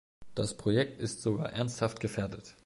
Das Projekt ist sogar ernsthaft gefährdet.